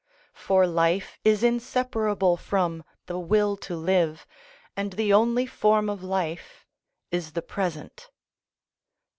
For life is inseparable from the will to live, and the only form of life is the present.